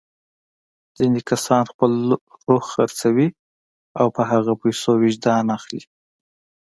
ځینې کسان خپل روح خرڅوي او په هغو پیسو وجدان اخلي.